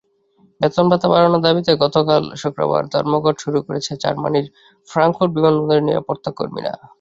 বেতন-ভাতা বাড়ানোর দাবিতে গতকাল শুক্রবার ধর্মঘট শুরু করেছেন জার্মানির ফ্রাঙ্কফুর্ট বিমানবন্দরের নিরাপত্তাকর্মীরা।